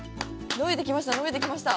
のびてきました